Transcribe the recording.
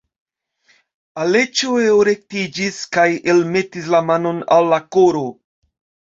Aleĉjo elrektiĝis kaj almetis la manon al la koro.